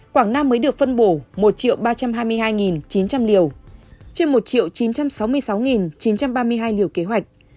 quảng nam mới được phân bổ một ba trăm hai mươi hai chín trăm linh liều trên một chín trăm sáu mươi sáu chín trăm ba mươi hai liều kế hoạch